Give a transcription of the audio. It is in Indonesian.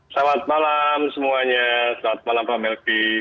selamat malam semuanya selamat malam pak melki